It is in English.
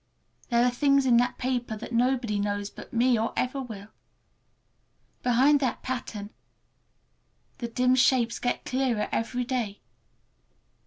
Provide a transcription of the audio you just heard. There are things in that paper that nobody knows but me, or ever will. Behind that outside pattern the dim shapes get clearer every day.